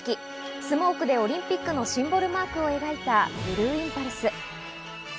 スモークでオリンピックのシンボルマークを描いたブルーインパルス。